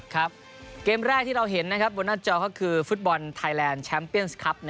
ครับเกมแรกที่เราเห็นนะครับบนหน้าจอก็คือฟุตบอลไทยแลนด์แชมป์เปียนส์ครับ